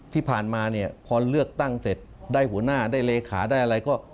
ที่ผ่านมาเนี่ยพอเลือกตั้งเสร็จได้หัวหน้าได้เลขาได้อะไรก็